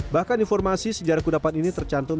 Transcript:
bahkan informasi sejarah kudapan ini tercantum